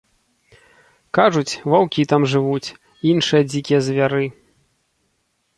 Кажуць, ваўкі там жывуць, іншыя дзікія звяры.